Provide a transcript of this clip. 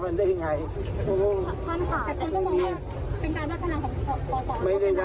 ความขาดแต่คุณต้องบอกว่าเป็นการวัดพลังของสาว